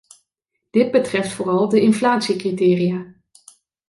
Dit betreft vooral de inflatiecriteria.